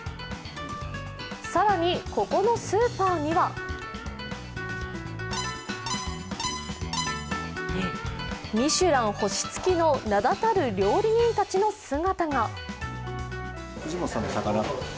更に、ここのスーパーにはミシュラン星付きの名だたる料理人たちの姿が。